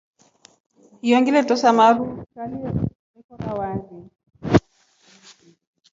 Hiyo ngile tosa maru kali ye kora wari.